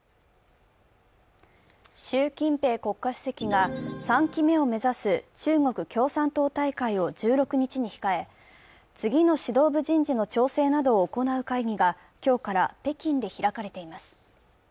習近平国家主席が３期目を目指す中国共産党大会を１６日に控え、次の指導部の人事の調整などを行う会議が今日から、北京で開かれています。